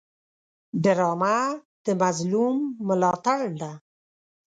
ډرامه د مظلوم ملاتړ ده